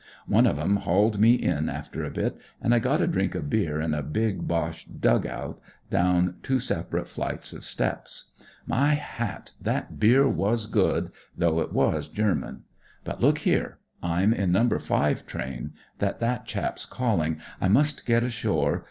One of 'em hauled me in after a bit, and I got a drink of beer in a big Boche dug out, down two separate flights of steps. My hat I that beer was good, though it was Gennan. But look here, I'm in No. 5 16 WHAT IT'S LIKE IN THE PUSH train, that that chap's calling. I must get ashore.